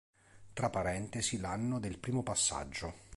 Tra parentesi l'anno del primo passaggio.